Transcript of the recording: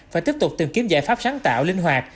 phải tiếp tục tìm kiếm giải pháp sáng tạo linh hoạt